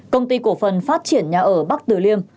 công ty cổ phần phát triển nhà ở bắc tử liêm